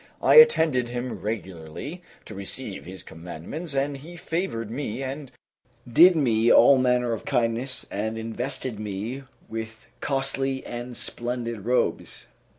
I attended him regularly, to receive his commandments, and he favored me and did me all manner of kindness and invested me with costly and splendid robes.